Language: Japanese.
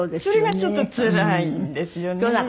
それがちょっとつらいんですよね。